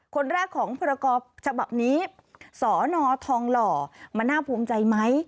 คนแรกของพรกรฉบับนี้สนทองหล่อมันน่าภูมิใจไหม